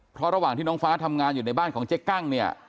เพราะระหว่างที่น้องฟ้าทำงานอยู่ในบ้านของเจ๊กั้งเนี่ย